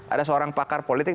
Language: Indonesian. ada seorang pakar politik